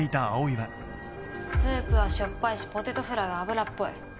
スープはしょっぱいしポテトフライは油っぽい。